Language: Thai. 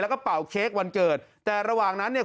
แล้วก็เป่าเค้กวันเกิดแต่ระหว่างนั้นเนี่ย